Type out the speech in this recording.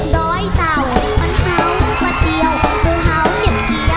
ดอยเต่าปันเฮ้าปัดเดียวหมูเฮ้าเย็บเดียว